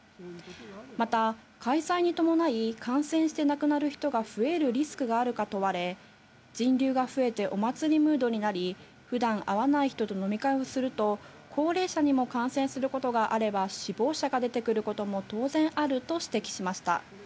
また開催に伴い、感染して亡くなる人が増えるリスクがあるか問われ、人流が増えてお祭りムードになり、ふだん会わない人と飲み会をすると、高齢者にも感染することがあれば、死亡者が出てくることも当然あると指摘しました。